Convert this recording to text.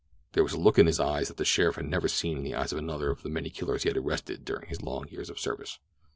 There was a look in his eyes that the sheriff had never seen in the eyes of another of the many killers he had arrested during his long years of service.